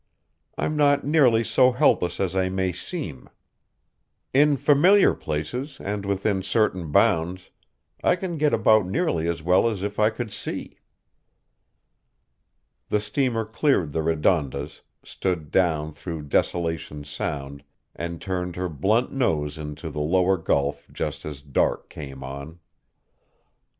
I'm not nearly so helpless as I may seem. In familiar places and within certain bounds, I can get about nearly as well as if I could see." The steamer cleared the Redondas, stood down through Desolation Sound and turned her blunt nose into the lower gulf just as dark came on.